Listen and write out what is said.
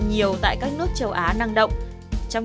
nhiều tại các nước châu á năng động